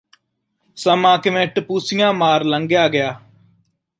ਸਮਾਂ ਕਿਵੇਂ ਟਪੂਸੀਆਂ ਮਾਰ ਲੰਘਿਆ ਗਿਆ